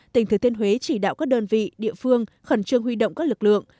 tỉnh thừa thiên huế chỉ đạo các đơn vị địa phương khẩn trương huy động các lực lượng